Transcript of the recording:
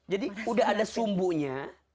jadi udah ada sumbunya